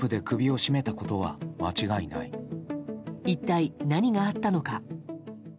一体何があったのか。